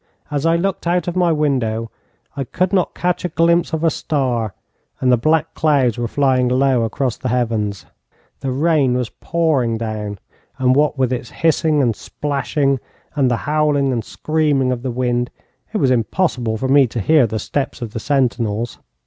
As I looked out of my window I could not catch a glimpse of a star, and the black clouds were flying low across the heavens. The rain was pouring down, and what with its hissing and splashing, and the howling and screaming of the wind, it was impossible for me to hear the steps of the sentinels.